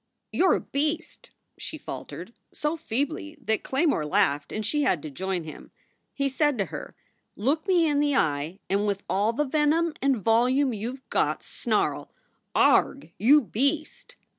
"You re a beast!" she faltered so feebly that Claymore laughed and she had to join him. He said to her, Look tn.e in the eye and with all the venom and volume you ve got snarl, Agh! you beast